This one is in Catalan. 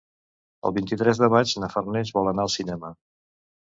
El vint-i-tres de maig na Farners vol anar al cinema.